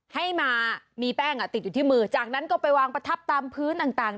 ให้มามีแป้งติดอยู่ที่มือจากนั้นก็ไปวางประทับตามพื้นต่าง